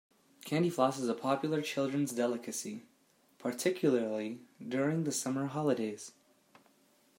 Candyfloss is a popular children's delicacy, particularly during the summer holidays